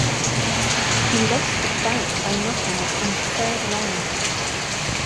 He lost the fight by knockout in the third round.